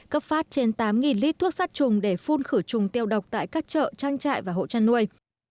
cấp phát trên tám lít thuốc sát trùng để phun khử trùng tiêu độc tại các chợ trang trại và hộ chăn nuôi